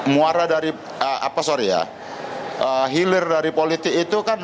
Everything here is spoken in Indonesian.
muara dari apa sorry ya hilir dari politik itu kan